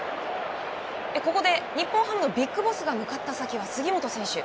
ここで日本ハムのＢＩＧＢＯＳＳが向かった先は杉本選手。